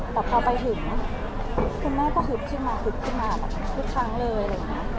แต่พอไปถึงคุณแม่ก็ฮึกขึ้นมาฮึกขึ้นมาทุกครั้งเลย